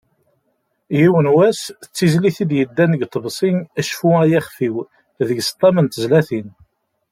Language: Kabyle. "Yiwen wass", d tizlit i d-yeddan deg uḍebsi "Cfu ay ixef-iw", deg-s ṭam n tezlatin.